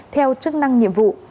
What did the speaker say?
theo chức năng nhiệm vụ